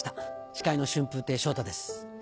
司会の春風亭昇太です。